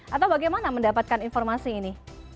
atau bagaimana mendapatkan informasi ini